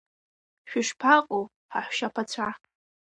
Шәышԥаҟоу, ҳаҳәшьаԥацәа?